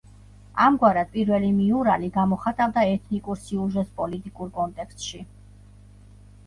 ამგვარად, პირველი მიურალი გამოხატავდა ეთნიკურ სიუჟეტს პოლიტიკურ კონტექსტში.